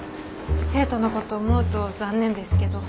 生徒の事思うと残念ですけど。